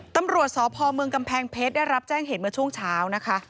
ตำรวจสพเมืองกำแพงเพชรได้รับแจ้งเหตุเมื่อช่วงเช้านะคะ